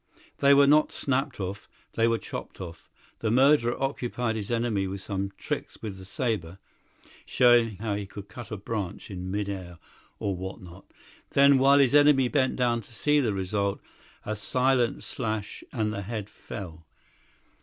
They were not snapped off; they were chopped off. The murderer occupied his enemy with some tricks with the sabre, showing how he could cut a branch in mid air, or what not. Then, while his enemy bent down to see the result, a silent slash, and the head fell."